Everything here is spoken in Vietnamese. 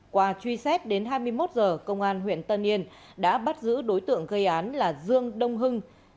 qua truy xét đến hai mươi một h công an huyện tân yên đã bắt giữ đối tượng gây án là dương đông hưng